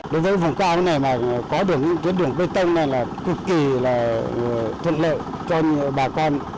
đối với vùng cao này mà có được những tuyến đường bê tông này là cực kỳ là thuận lợi cho bà con